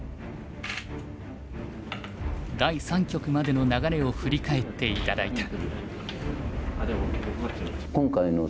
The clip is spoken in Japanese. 第三局までの流れを振り返って頂いた。